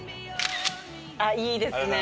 あっいいですね！